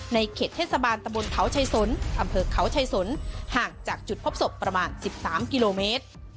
ในเขตเทศบาลตะบลเฮาว์ชายศนอำเภอกเฮาว์ชายศนห่างจากจุดพบศพประมาณสิบสามกิโลเมตร